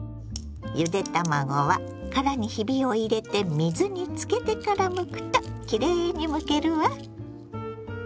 ゆで卵は殻にひびを入れて水につけてからむくときれいにむけるわ。